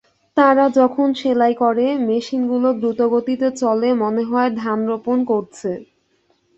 তারা যখন সেলাই করে, মেশিনগুলো দ্রুতগতিতে চলে, মনে হয়, ধান রোপণ করছে।